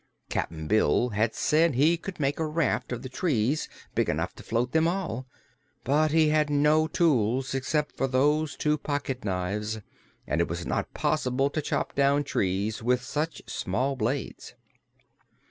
Cap'n Bill had said he could make a raft of the trees, big enough to float them all, but he had no tools except those two pocketknives and it was not possible to chop down tree with such small blades.